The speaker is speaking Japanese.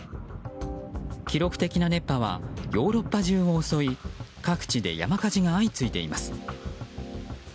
記録的な熱波はヨーロッパ中を襲い各地で山火事が相次いでいます。